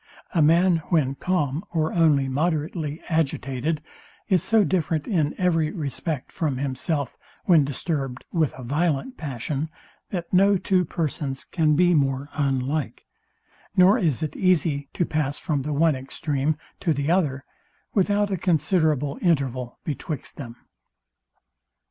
A man, when calm or only moderately agitated, is so different, in every respect, from himself, when disturbed with a violent passion, that no two persons can be more unlike; nor is it easy to pass from the one extreme to the other, without a considerable interval betwixt them.